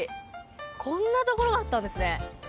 こんなところがあったんですね。